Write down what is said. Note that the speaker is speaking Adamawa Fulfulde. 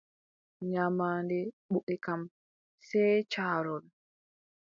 Nyamaande buʼe kam, sey caarol.